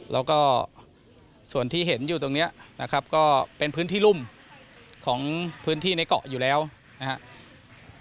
แล้วก็ส่วนที่เห็นอยู่ตรงนี้นะครับก็เป็นพื้นที่รุ่มของพื้นที่ในเกาะอยู่แล้วนะครับ